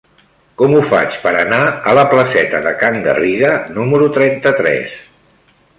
Com ho faig per anar a la placeta de Can Garriga número trenta-tres?